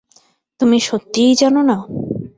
তুমি সত্যিই জান না?